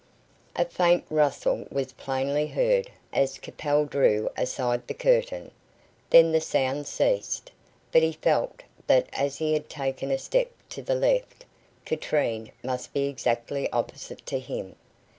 A faint rustle was plainly heard, as Capel drew aside the curtain. Then the sound ceased, but he felt that as he had taken a step to the left, Katrine must be exactly opposite to him.